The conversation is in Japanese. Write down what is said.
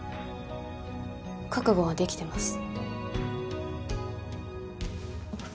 覚悟はできてます。